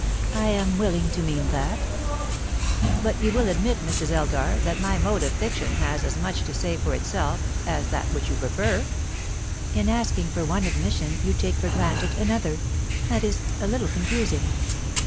"I am willing to mean that." "But you will admit, Mrs. Elgar, that my mode of fiction has as much to say for itself as that which you prefer?" "In asking for one admission you take for granted another. That is a little confusing."